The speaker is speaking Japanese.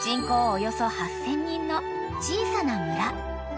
およそ８，０００人の小さな村］